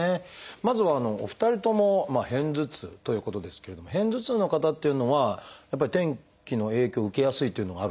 まずはお二人とも片頭痛ということですけれども片頭痛の方っていうのはやっぱり天気の影響を受けやすいというのがあるんですか？